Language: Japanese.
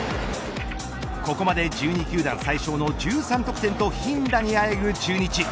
ここまで１２球団最少の１３得点と貧打にあえぐ中日。